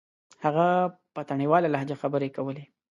هغه په تڼيواله لهجه خبرې کولې.